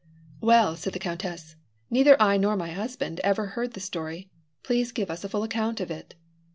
"Well," said the countess, "neither I nor my husband ever heard the story. Please give us a full account of it."